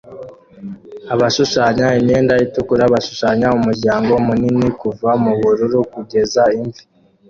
Abashushanya imyenda itukura bashushanya umuryango munini kuva mubururu kugeza imvi